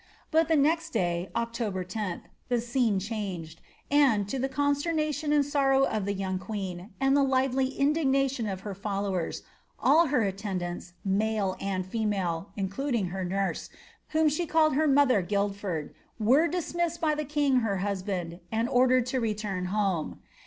But the next day, ( her 10th, the scene changed, and, to the consternation and sorrow o young queen, and the lively indifuatiou of iier followers, all her at ants, male and female, including her nurse, whom she called her m< Guildford, were dismissed by the king her husband, and orders return home.